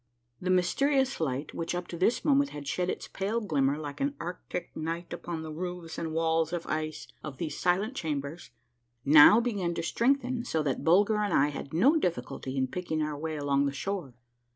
The mysterious light which up to this moment had shed its pale glimmer like an arctic night upon the roofs and walls of ice of these silent chambers now began to strengthen so that Bulger and I had no difiiculty in picking our way along the shore.